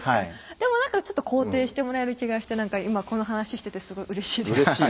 でもなんかちょっと肯定してもらえる気がして今この話しててすごいうれしいです。